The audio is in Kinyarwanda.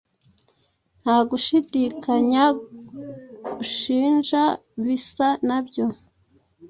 Nta gushidikanya gushinjaBisa na byo